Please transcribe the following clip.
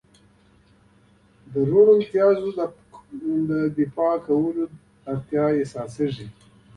د تشو بولو دفع کولو ته اړتیا احساسېږي.